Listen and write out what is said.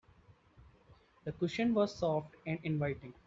The cushion was soft and inviting.